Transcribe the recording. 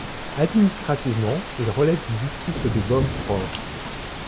Administrativement, il relève du district de Bromsgrove.